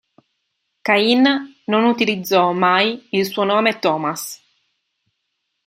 Caine non utilizzò mai il suo nome Thomas.